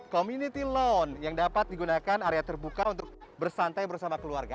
community loan yang dapat digunakan area terbuka untuk bersantai bersama keluarga